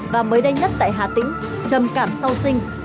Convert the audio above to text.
và mới đây nhất tại hà tĩnh trầm cảm sau sinh